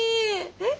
えっ？